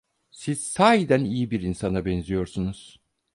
Siz sahiden iyi bir insana benziyorsunuz!